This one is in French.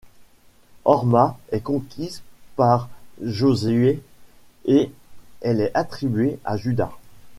Horma est conquise par Josué et elle est attribuée à Juda.